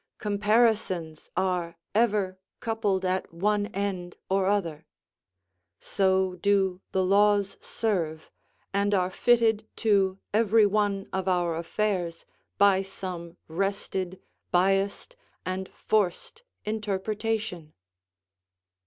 Comparisons are ever coupled at one end or other: so do the laws serve, and are fitted to every one of our affairs, by some wrested, biassed, and forced interpretation.